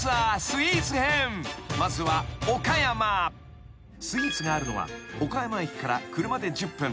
［スイーツがあるのは岡山駅から車で１０分］